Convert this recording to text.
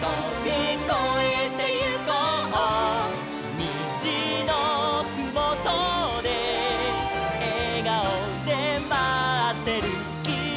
「にじのふもとでえがおでまってるきみがいる」